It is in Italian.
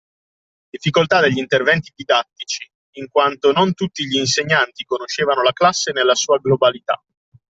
Difficoltà degli interventi didattici in quanto non tutti gli insegnanti conoscevano la classe nella sua globalità.